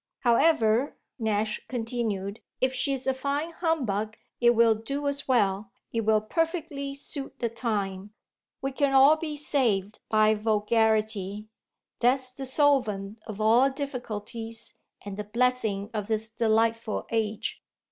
However," Nash continued, "if she's a fine humbug it will do as well, it will perfectly suit the time. We can all be saved by vulgarity; that's the solvent of all difficulties and the blessing of this delightful age.